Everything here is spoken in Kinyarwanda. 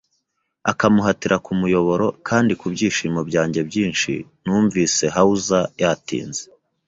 akamuhatira kumuyoboro; kandi ku byishimo byanjye byinshi, numvise hawser yatinze